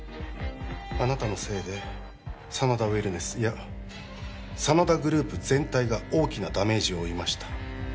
あなたのせいで真田ウェルネスいや真田グループ全体が大きなダメージを負いました